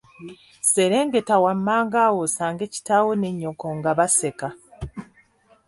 Serengeta wammanga awo osange kitaawo ne nnyoko nga baseka.